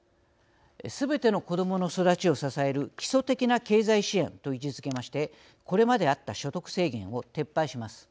すべての子どもの育ちを支える基礎的な経済支援と位置づけましてこれまであった所得制限を撤廃します。